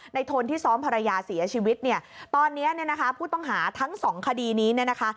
นายทนที่ซ้อมภรรยาเสียชีวิตตอนนี้ผู้ต้องหาทั้ง๒คดีนี้นะคะ